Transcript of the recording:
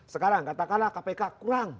sekarang katakanlah kpk kurang